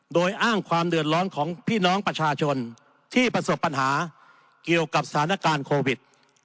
โดยอ้างความเดือดร้อนของพี่น้องประชาชนที่ประสบปัญหาเกี่ยวกับสถานการณ์โควิด